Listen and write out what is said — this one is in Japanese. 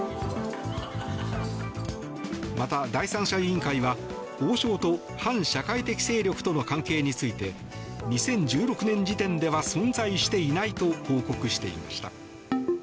また、第三者委員会は王将と反社会的勢力との関係について２０１６年時点では存在していないと報告していました。